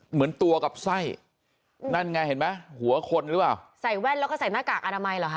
เหมือนตัวกับไส้นั่นไงเห็นไหมหัวคนหรือเปล่าใส่แว่นแล้วก็ใส่หน้ากากอนามัยเหรอคะ